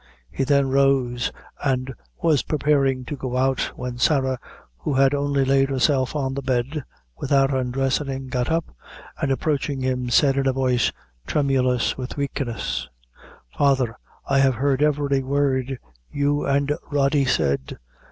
He then rose, and was preparing to go out, when Sarah, who had only laid herself on the bed, without undressing, got up, and approaching him, said, in a voice tremulous with weakness: "Father, I have heard every word you and Rody said."